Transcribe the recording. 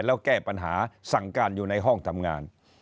แล้วแก้ปัญหาสั่งการอยู่ในห้องทำงาน